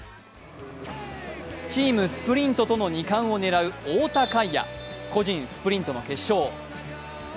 チームスプリントとの２冠を狙う太田海也、個人スプリントの決勝。